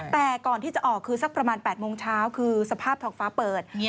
แต่ก่อนที่จะออกคือสักประมาณ๘โมงเช้าคือสภาพท้องฟ้าเปิด